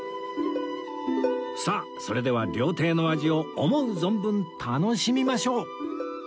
さあそれでは料亭の味を思う存分楽しみましょう